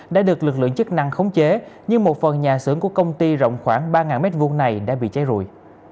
đã được lực lượng chức năng khống chế nhưng một phần nhà xưởng của công ty rộng khoảng ba m hai này đã bị cháy rụi